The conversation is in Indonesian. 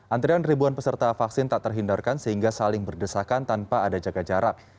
antrian ribuan peserta vaksin tak terhindarkan sehingga saling berdesakan tanpa ada jaga jarak